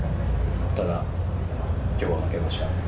ただ、きょうは負けました。